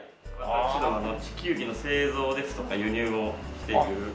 私ども地球儀の製造ですとか輸入をしている。